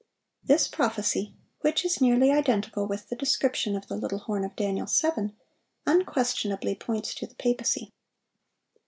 This prophecy, which is nearly identical with the description of the little horn of Daniel 7, unquestionably points to the papacy.